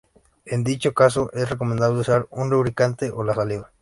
En dicho caso, es recomendable usar un lubricante o la saliva.